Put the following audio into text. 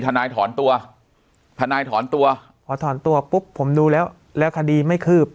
ทนายถอนตัวทนายถอนตัวพอถอนตัวปุ๊บผมดูแล้วแล้วคดีไม่คืบ